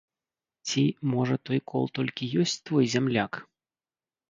Ці, можа, той кол толькі ёсць твой зямляк?